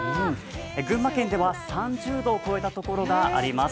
群馬県では３０度を超えたところもあります。